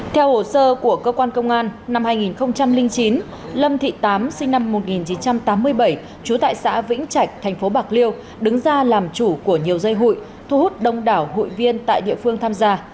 theo hồ sơ của cơ quan công an năm hai nghìn chín lâm thị tám sinh năm một nghìn chín trăm tám mươi bảy trú tại xã vĩnh trạch thành phố bạc liêu đứng ra làm chủ của nhiều dây hụi thu hút đông đảo hụi viên tại địa phương tham gia